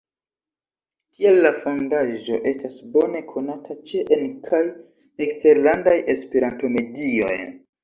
Tial la Fondaĵo estas bone konata ĉe en- kaj eksterlandaj Esperanto-medioj.